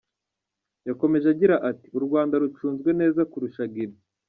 Yakomeje agira ati ‘‘U Rwanda rucunzwe neza kurusha Guinée.